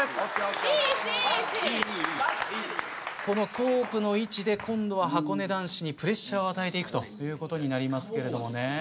このソープの位置で今度ははこね男子にプレッシャーを与えていくということになりますけれどもね。